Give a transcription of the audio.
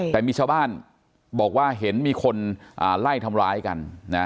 แต่มีชาวบ้านบอกว่าเห็นมีคนไล่ทำร้ายกัน